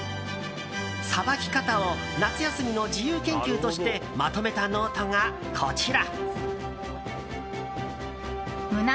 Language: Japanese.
さばき方を夏休みの自由研究としてまとめたノートがこちら。